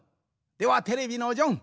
ではテレビのジョン。